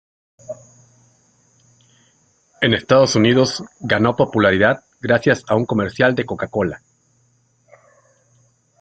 En Estados Unidos ganó popularidad gracias a un comercial de Coca-Cola.